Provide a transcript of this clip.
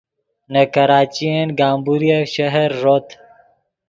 نے کراچین گمبوریف شہر ݱوت